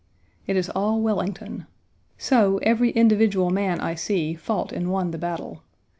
It is all Wellington. So every individual man I see fought and won the battle.